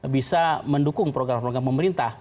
bisa mendukung program program pemerintah